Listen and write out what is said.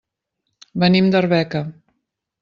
Venim d'Arbeca.